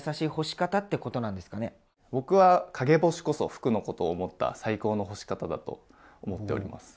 僕は陰干しこそ服のことを思った最高の干し方だと思っております。